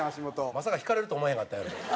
まさか引かれるとは思わへんかったやろ？